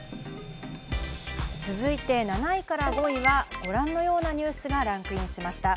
続いて７位から５位はご覧のようなニュースがランクインしました。